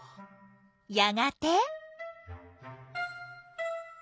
やがて？